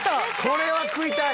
これは食いたい！